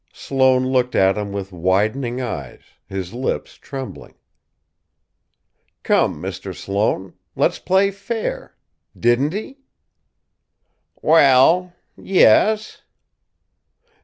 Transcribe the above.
Sloane looked at him with widening eyes, his lips trembling. "Come, Mr. Sloane! Let's play fair, didn't he?" "We ell, yes."